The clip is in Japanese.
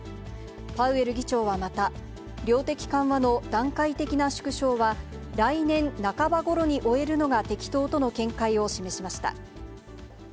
パウエル議長はまた、量的緩和の段階的な縮小は、来年半ばごろに終えるのが適当との見解を示しました。